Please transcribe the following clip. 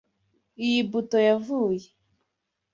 Iyi buto yavuye.